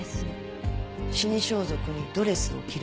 死に装束にドレスを着る事です。